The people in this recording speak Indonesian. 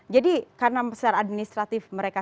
jadi karena secara administratif mereka